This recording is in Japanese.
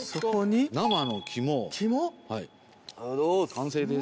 完成です。